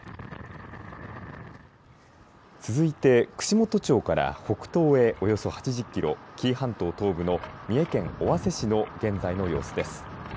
続いて串本町から北東へおよそ８０キロ、紀伊半島東部の三重県尾鷲市の現在の様子です。